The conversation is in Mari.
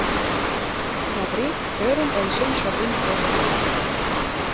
Каврий ӧрын ончен шоген кодо.